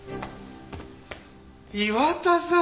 岩田さん！